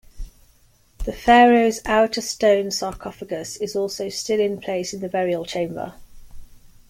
The pharaoh's outer stone sarcophagus is also still in place in the burial chamber.